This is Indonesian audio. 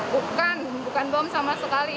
bukan bukan bom sama sekali